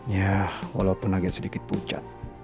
ya walaupun agak sedikit pucat